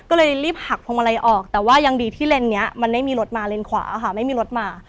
ก็เลยรีบหักพวงมาลัยออกแต่ว่ายังดีที่เลนส์นี้มันไม่มีรถมาเลนขวาค่ะไม่มีรถมา